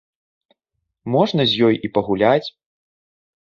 Можна з ёй і пагуляць.